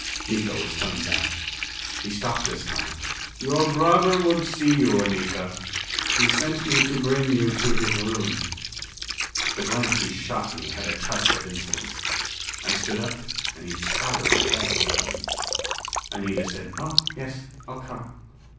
Miko was coming back. He stopped this time. "Your brother would see you, Anita. He sent me to bring you to his room." The glance he shot me had a touch of insolence. I stood up and he towered a head over me. Anita said, "Oh yes. I'll come."